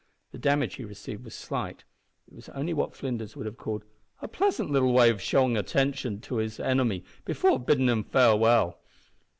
The damage he received was slight. It was only what Flinders would have called, "a pleasant little way of showing attintion to his inimy before bidding him farewell."